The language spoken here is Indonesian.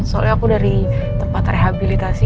soalnya aku dari tempat rehabilitasi